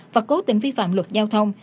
và cố tình vi phạm luật giao thông